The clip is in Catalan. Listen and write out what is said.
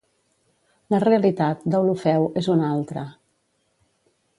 La realitat, Deulofeu, és una altra.